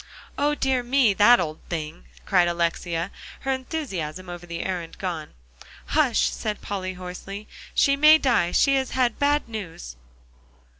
"O, dear me! that old thing," cried Alexia, her enthusiasm over the errand gone. "Hush!" said Polly hoarsely; "she may die. She has had bad news."